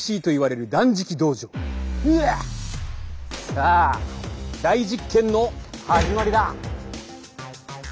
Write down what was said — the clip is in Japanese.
さあ大実験の始まりだ。